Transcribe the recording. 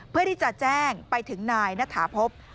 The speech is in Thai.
เพื่อที่จะแจ้งไปถึงนายณฑาพบุญทองโท